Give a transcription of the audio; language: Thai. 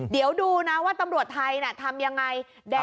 เดี๋ยวดูนะว่าตำรวจไทยทำยังไง